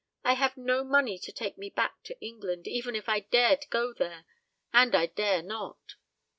I have no money to take me back to England, even if I dared go there and I dare not.